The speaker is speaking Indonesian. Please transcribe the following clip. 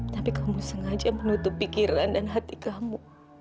tapi kamu sengaja menutup pikiran dan hati kamu